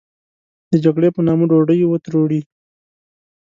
د جګړې په نامه ډوډۍ و تروړي.